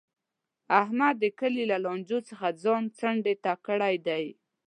احمد د کلي له لانجو څخه ځان څنډې ته کړی دی.